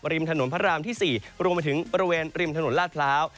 ริมถนนพระรามที่๔รวมไปถึงบริเวณริมถนนลาดพร้าว